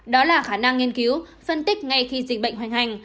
đó là khả năng nghiên cứu phân tích ngay khi dịch bệnh hoành hành